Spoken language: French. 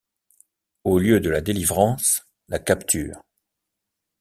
Au lieu de la délivrance, la capture.